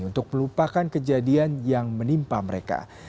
untuk melupakan kejadian yang menimpa mereka